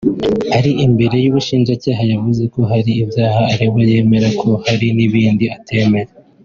ari imbere y’ ubushinjacyaha yavuze ko hari ibyaha aregwa yemera ko hari n’ ibindi atemera